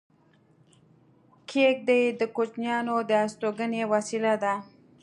کېږدۍ د کوچیانو د استوګنې وسیله ده